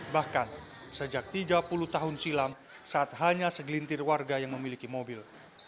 bahkan sejak tiga puluh tahun silam saat hanya segelintir warga yang memiliki mobil